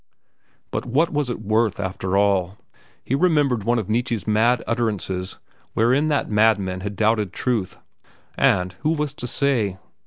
But what was it worth, after all? He remembered one of Nietzsche's mad utterances wherein that madman had doubted truth. And who was to say?